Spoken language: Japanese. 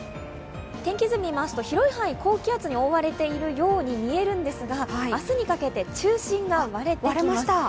天気図を見ますと、広い範囲で高気圧に覆われているように見えるんですが、明日にかけて中心が割れてきます。